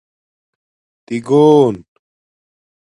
تیگݸن